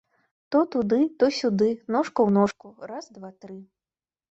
То туды, то сюды, ножка ў ножку, раз, два, тры!